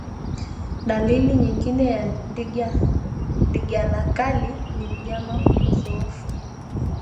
Dalili nyingine ya ndigana kali ni mnyama kudhoofu